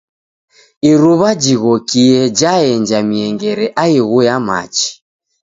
Iruw'a jighokie jaenja miengere aighu ya machi.